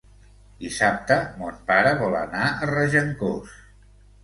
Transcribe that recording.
Dissabte mon pare vol anar a Regencós.